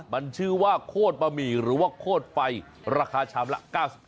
มันชื่อว่าโคตรบะหมี่หรือว่าโคตรไฟราคาชามละ๙๐บาท